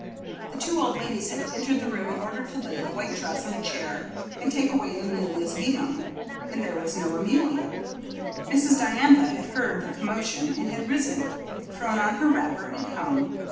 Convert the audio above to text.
The two old ladies had entered the room in order to lay the white dress on a chair and take away Amelia's gingham, and there was no Amelia. Mrs. Diantha had heard the commotion, and had risen, thrown on her wrapper, and come.